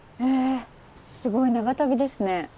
へぇすごい長旅ですね。